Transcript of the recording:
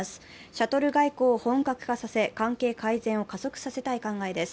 シャトル外交を本格化させ、関係改善を加速させたい考えです。